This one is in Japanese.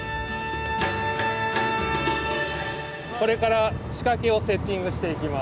これから仕掛けをセッティングしていきます。